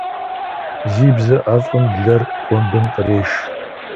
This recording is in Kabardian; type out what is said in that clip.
Зи бзэ IэфIым блэр гъуэмбым къреш.